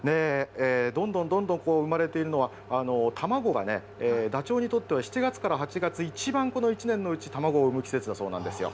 どんどんどんどん生まれているのは、卵がダチョウにとっては７月から８月、一番、この一年のうち、卵を産む季節だそうなんですよ。